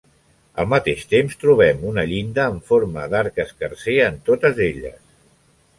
Al mateix temps trobem una llinda en forma d'arc escarser en totes elles.